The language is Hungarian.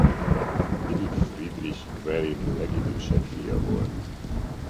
Philipp Friedrich Gmelin legidősebb fia volt.